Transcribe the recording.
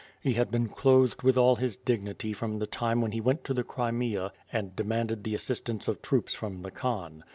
He had been clothed with all his dignity fronti the time when he went to the Crimea and demanded the assistance of troops from the Khan.